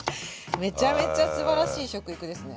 めちゃめちゃすばらしい食育ですね。